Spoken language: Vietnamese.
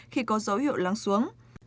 khi có dấu hiệu lắng xuống